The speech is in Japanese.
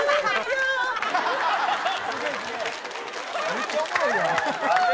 「めっちゃおもろいやん」